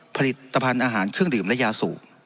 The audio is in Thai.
ผลิตภัณฑ์อาหารเครื่องดื่มและยาสูบ